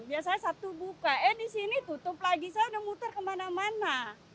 biasanya satu buka eh di sini tutup lagi saya udah muter kemana mana